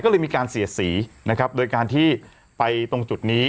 ก็เลยมีการเสียสีนะครับโดยการที่ไปตรงจุดนี้